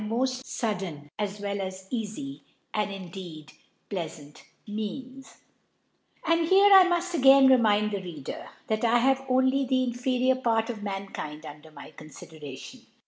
moft fuddert as w as eafy and indeed pleafant Means, And here I muft again remind the Read< that 1 have only the inferior Part of Ma kiod under my Condderation.